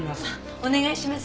お願いします。